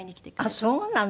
あっそうなの。